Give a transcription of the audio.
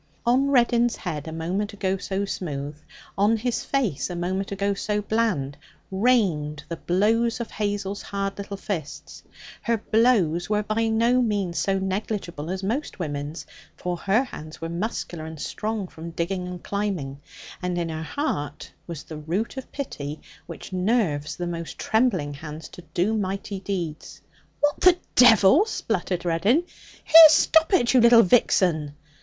On Reddin's head, a moment ago so smooth, on his face, a moment ago so bland, rained the blows of Hazel's hard little fists. Her blows were by no means so negligible as most women's, for her hands were muscular and strong from digging and climbing, and in her heart was the root of pity which nerves the most trembling hands to do mighty deeds. 'What the devil!' spluttered Reddin. 'Here, stop it, you little vixen!'